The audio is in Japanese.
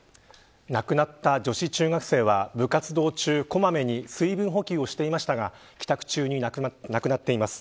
亡くなった女子中学生は部活動中小まめに水分補給をしていましたが帰宅中に亡くなっています。